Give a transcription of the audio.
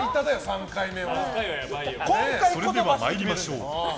それでは参りましょう。